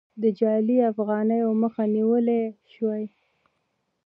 د جعلي افغانیو مخه نیول شوې؟